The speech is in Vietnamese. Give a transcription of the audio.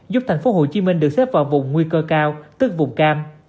giúp thành phố hồ chí minh được xếp vào vùng nguy cơ cao tức vùng cam